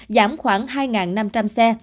giảm khoảng hai năm trăm linh xe